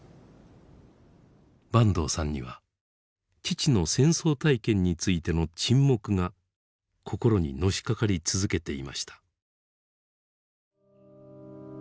坂東さんには父の戦争体験についての沈黙が心にのしかかり続けていました。